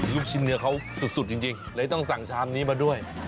ลูกชิ้นเนื้อเขาสุดจริงเลยต้องสั่งชามนี้มาด้วย